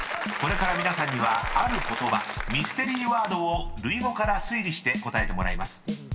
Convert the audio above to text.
［これから皆さんにはある言葉ミステリーワードを類語から推理して答えてもらいます］